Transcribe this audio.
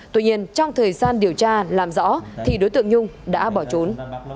tuy nhiên trong thời gian điều tra làm rõ thì đối tượng nhung đã bỏ trốn